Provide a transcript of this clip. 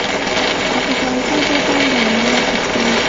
لکه فرانسه او جاپان ګامونه واخیستل.